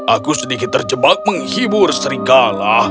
aku sedikit terjebak untuk mencari makanan malam